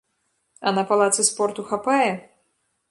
А на палацы спорту хапае?